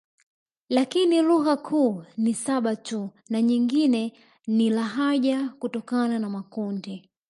Lakini lugha kuu ni saba tu na nyingine ni lahaja kutokana na makundi